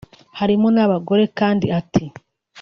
harimo n’abagore kandi ati